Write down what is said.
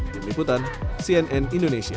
di miputan cnn indonesia